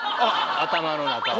頭の中を。